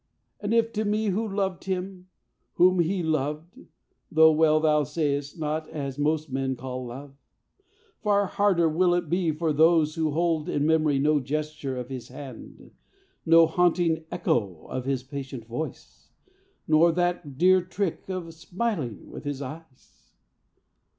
And if to me who loved him, whom he loved Though well thou sayest, 'Not as most men call love' Far harder will it be for those who hold In memory no gesture of his hand, No haunting echo of his patient voice, Nor that dear trick of smiling with his eyes.